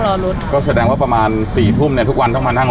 รอรถก็แสดงว่าประมาณสี่ทุ่มเนี้ยทุกวันต้องมานั่ง